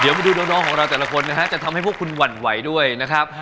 เดี๋ยวมาดูน้องของเราแต่ละคนนะฮะจะทำให้พวกคุณหวั่นไหวด้วยนะครับ